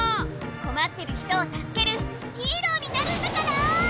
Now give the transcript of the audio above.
こまってる人をたすけるヒーローになるんだから！